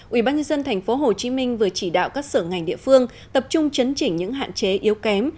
ubnd tp hcm vừa chỉ đạo các sở ngành địa phương tập trung chấn chỉnh những hạn chế yếu kém